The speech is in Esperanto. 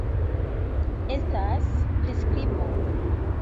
Estas priskribo